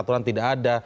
satu aturan tidak ada